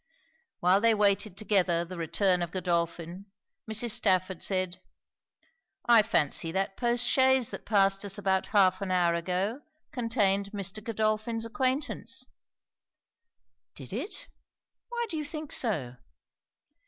While they waited together the return of Godolphin, Mrs. Stafford said 'I fancy that post chaise that passed us about half an hour ago, contained Mr. Godolphin's acquaintance.' 'Did it? Why do you think so?'